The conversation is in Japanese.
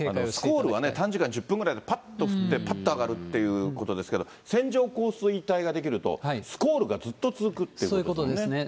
スコールは短時間１０分ぐらい、ぱっと降って、ぱっと上がるっていうことですけど、線状降水帯が出来ると、スコールがずっとそういうことですね。